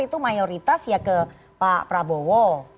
itu mayoritas ya ke pak prabowo